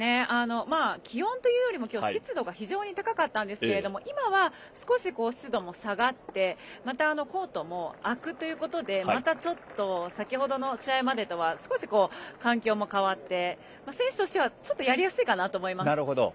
気温というよりも今日は湿度が非常に高かったんですが今は少し湿度も下がってコートも開くということでまた先程の試合までとは少し環境も変わって選手としてはやりやすいかなと思います。